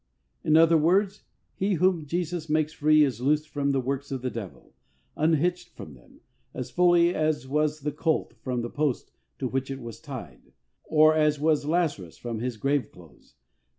In other words, he whom Jesus makes free is loosed from the works of the devil — unhitched from them— as fully as was the colt from the post to which it was tied, or as was Lazarus from his grave clothes.